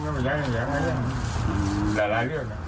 อย่างไรหลายเรื่องนะ